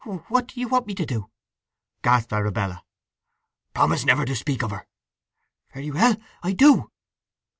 "What do you want me to do?" gasped Arabella. "Promise never to speak of her." "Very well. I do."